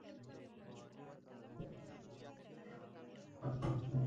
د دهراوت په غرونو کښې له طالبانو سره يوځاى سوم.